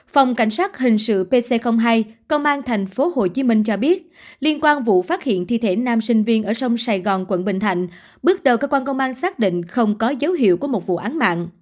phòng cảnh sát hình sự pc hai công an tp hcm cho biết liên quan vụ phát hiện thi thể nam sinh viên ở sông sài gòn quận bình thạnh bước đầu cơ quan công an xác định không có dấu hiệu của một vụ án mạng